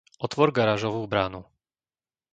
Otvor garážovú bránu.